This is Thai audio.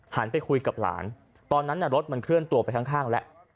ไปคุยกับหลานตอนนั้นรถมันเคลื่อนตัวไปข้างแล้ว